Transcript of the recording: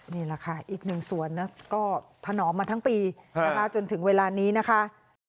นี่แหละค่ะอีกหนึ่งสวนนะก็ถนอมมาทั้งปีนะคะจนถึงเวลานี้นะคะ